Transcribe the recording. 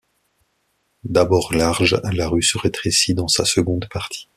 D'abord large, la rue se rétrécit dans sa seconde partie.